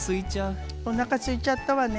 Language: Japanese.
おなかすいちゃったわね。